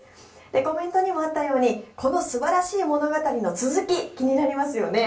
コメントにもあったようにこの素晴らしい物語の続き気になりますよね。